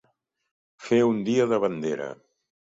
Fer un dia de bandera.